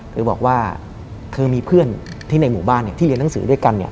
โดยบอกว่าเธอมีเพื่อนที่ในหมู่บ้านที่เรียนหนังสือด้วยกัน